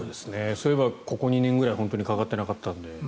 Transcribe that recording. そういえばここ２年ぐらい本当にかかってなかったので。